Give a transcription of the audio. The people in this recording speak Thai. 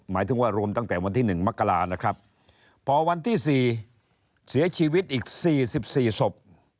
หมายถึงว่ารวมตั้งแต่วันที่๑มกรานะครับพอวันที่๔เสียชีวิตอีก๔๔ศพ